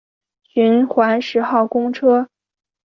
循环十号公车